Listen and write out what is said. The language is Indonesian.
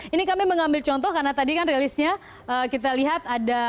ini kami mengambil contoh karena tadi kan rilisnya kita lihat ada